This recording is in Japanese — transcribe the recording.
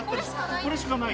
これしかない。